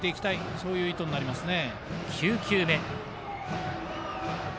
そういう意図になりますね。